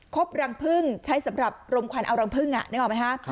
บรังพึ่งใช้สำหรับรมควันเอารังพึ่งนึกออกไหมคะ